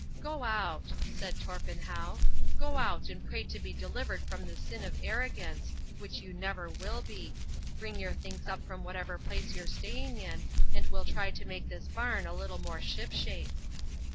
"Go out," said Torpenhow,—"go out and pray to be delivered from the sin of arrogance, which you never will be. Bring your things up from whatever place you're staying in, and we'll try to make this barn a little more shipshape."